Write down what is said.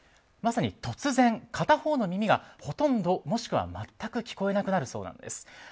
まさに突然片方の耳がほとんど、もしくは全く聞こえなくなるそうなんです。